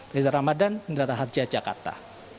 reza ramadan ndara harja jakarta